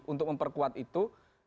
untuk memperkuat itu